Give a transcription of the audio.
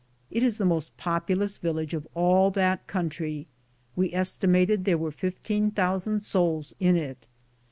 It is the most populous village of all that country; we estimated there were 15,000 souls in it.